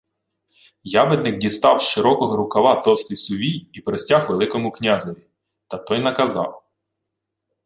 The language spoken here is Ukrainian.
Ябедник дістав з широкого рукава товстий сувій і простяг Великому князеві. Та той наказав: